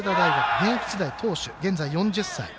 現役時代投手、現在４０歳。